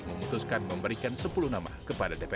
memutuskan memberikan sepuluh nama kepada dpr